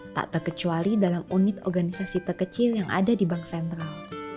tak terkecuali dalam unit organisasi terkecil yang ada di bank sentral